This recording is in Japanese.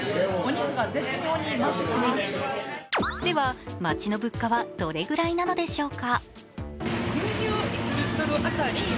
では、街の物価はどれぐらいなのでしょうか？